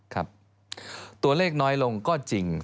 ตัวเลขน้อยลงก็จริง